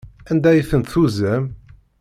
Anda ay tent-tuzam?